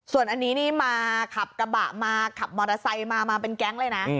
ส่วนอันนี้นี่มาขับกระบะมาขับมอเตอร์ไซค์มามาเป็นแก๊งเลยนะ